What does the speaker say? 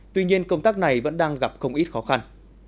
tuy nhiên công tác này vẫn đang gặp không ít khó khăn